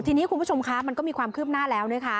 ทีนี้คุณผู้ชมคะมันก็มีความคืบหน้าแล้วนะคะ